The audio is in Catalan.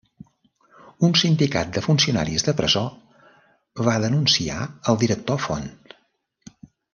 Un sindicat de funcionaris de presó va denunciar el director Font.